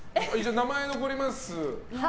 名前が残ります。